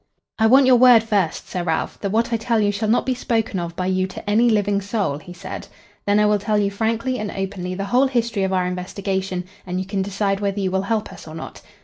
"I want your word first, Sir Ralph, that what I tell you shall not be spoken of by you to any living soul," he said. "Then I will tell you frankly and openly the whole history of our investigation, and you can decide whether you will help us or not.